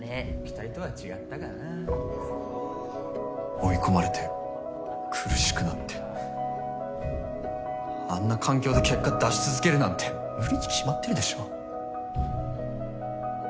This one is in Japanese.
追い込まれて苦しくなってあんな環境で結果出し続けるなんて無理に決まってるでしょ。